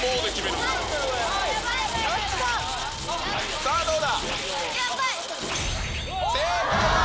さあどうだ？